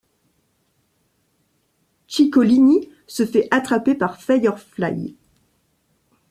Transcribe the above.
Chicolini se fait attraper par Firefly.